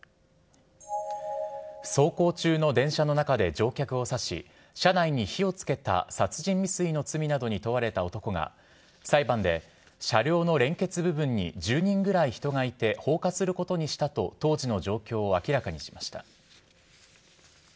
走行中の電車の中で乗客を刺し、車内に火をつけた殺人未遂の罪などに問われた男が、裁判で、車両の連結部分に１０人ぐらい人がいて放火することにしたと、当時の状況を明らかにしました。